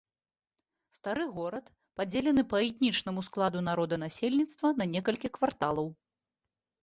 Стары горад падзелены па этнічнаму складу народанасельніцтва на некалькі кварталаў.